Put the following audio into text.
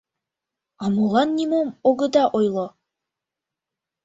— А молан нимом огыда ойло.